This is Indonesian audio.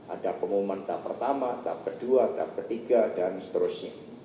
ada pengumuman tahap pertama tahap kedua tahap ketiga dan seterusnya